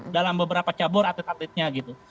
dalam beberapa cabur atlet atletnya gitu